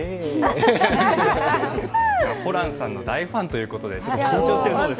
ホランさんの大ファンということで、緊張しているそうですよ。